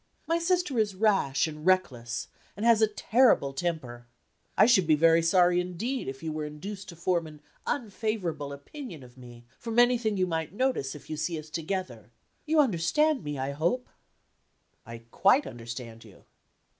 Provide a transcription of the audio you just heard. My sister is rash, and reckless, and has a terrible temper. I should be very sorry indeed if you were induced to form an unfavorable opinion of me, from anything you might notice if you see us together. You understand me, I hope?" "I quite understand you."